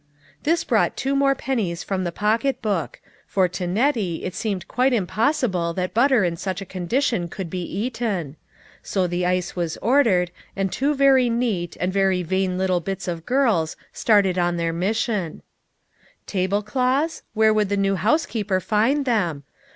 This brought two more pennies from the pocketbook ; for to Nettie it seemed quite im possible that butter in such a condition could be eaten. So the ice was ordered, and two very neat, and very vain little bits of girls started on their mission. TIIE TRUTH IS TOLD. 49 Tablecloths? Where would the new house keeper find them?